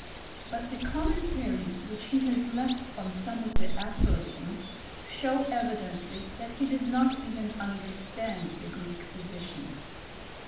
But the commentaries which he has left on some of the aphorisms, show evidently that he did not even understand the Greek physician.